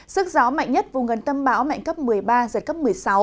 sức gió mạnh nhất vùng gần tâm bão mạnh cấp một mươi ba giật cấp một mươi sáu